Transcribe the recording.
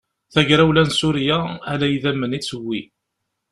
Tagrawla n Surya ala idammen i d-tewwi.